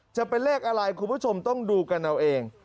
จะเป็นเลขอะไรคุณผู้ชมต้องดูกันเอาเอง